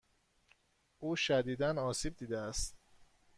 او شدیدا آسیب دیده است.